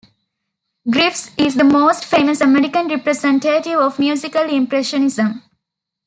Griffes is the most famous American representative of musical Impressionism.